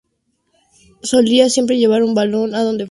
Solía siempre llevar un balón a donde fuera, incluso a sus clases.